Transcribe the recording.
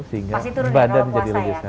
sehingga badan menjadi lebih sehat